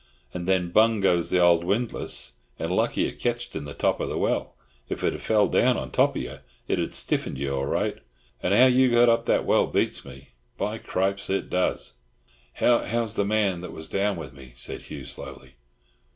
And then bung goes the old windlass, and lucky it ketched in the top of the well; if it had fell down on the top of you, it'd ha' stiffened you all right. And how you got up that well beats me. By Cripes, it does." "How's the—man that—was down with me?" said Hugh slowly.